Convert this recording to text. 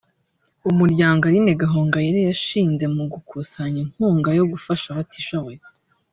Umuryango Aline Gahongayire yashinze mu gukusanya inkunga yo gufasha abatishoboye